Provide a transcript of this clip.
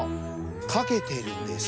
かけてるんです。